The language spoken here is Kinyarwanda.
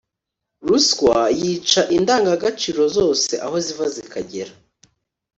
Ruswa yica indangagaciro zose aho ziva zikagera,